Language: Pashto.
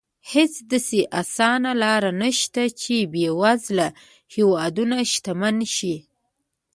هېڅ داسې اسانه لار نه شته چې بېوزله هېوادونه شتمن شي.